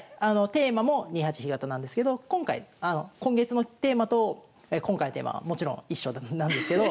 テーマも２八飛型なんですけど今月のテーマと今回のテーマはもちろん一緒なんですけど。